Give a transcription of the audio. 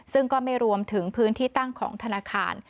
ซึ่งก็ไม่รวมถึงพื้นที่ตั้งของธนาคาร